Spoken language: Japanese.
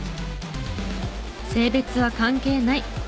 性別は関係ない。